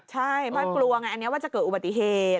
ใช่เพราะกลัวไงอันนี้ว่าจะเกิดอุบัติเหตุ